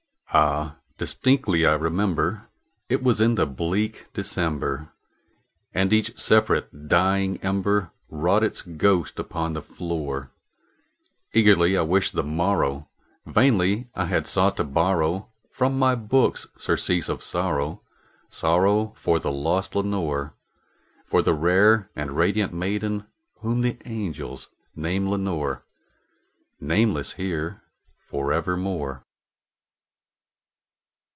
Ah, distinctly I remember, it was in the bleak December, And each separate dying ember wrought its ghost upon the floor. Eagerly I wished the morrow; vainly I had sought to borrow From my books surcease of sorrow sorrow for the lost Lenore For the rare and radiant maiden whom the angels name Lenore Nameless here for evermore.